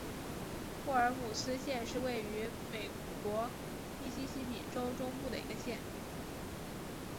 霍尔姆斯县是位于美国密西西比州中部的一个县。